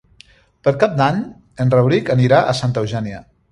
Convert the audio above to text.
Per Cap d'Any en Rauric anirà a Santa Eugènia.